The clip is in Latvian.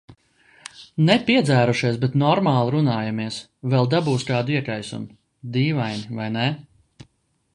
Ne piedzērušies, bet normāli runājamies. Vēl dabūs kādu iekaisumu. Dīvaini vai nē.